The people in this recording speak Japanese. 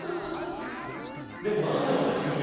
でも何でまた急に。